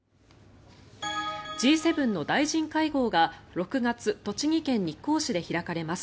Ｇ７の大臣会合が６月栃木県日光市で開かれます。